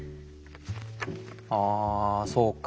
あそうか。